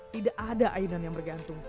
tidak ada air dan air yang bergantung